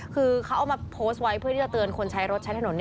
คือเขาเอามาโพสต์ไว้เพื่อที่จะเตือนคนใช้รถใช้ถนน